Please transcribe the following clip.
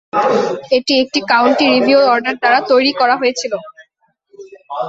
এটি একটি county review order দ্বারা তৈরি করা হয়েছিল।